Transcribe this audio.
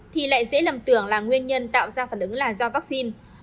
thì lại dễ lầm tưởng là nguyên nhân tạo ra phản ứng là do vaccine